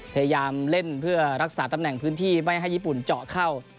พยายามเล่นเพื่อรักษาตำแหน่งพื้นที่ไม่ให้ญี่ปุ่นเจาะเข้า